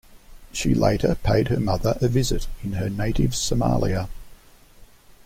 She later paid her mother a visit in her native Somalia.